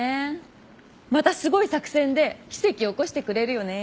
またすごい作戦で奇跡を起こしてくれるよね